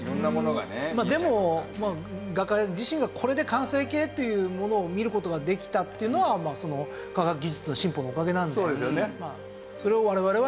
でも画家自身がこれで完成形というものを見る事ができたっていうのは科学技術の進歩のおかげなので。